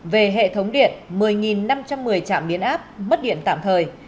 về hệ thống điện một mươi năm trăm một mươi trạm biến áp mất điện tạm thời